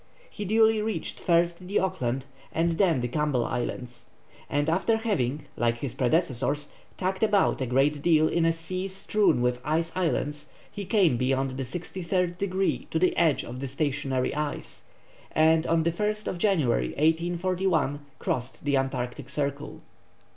He duly reached first the Auckland and then the Campbell Islands, and after having, like his predecessors, tacked about a great deal in a sea strewn with ice islands, he came beyond the sixty third degree to the edge of the stationary ice, and on the 1st January, 1841, crossed the Antarctic Circle.